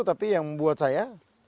tapi yang membuat saya